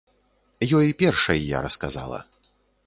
Ёй першай я расказала.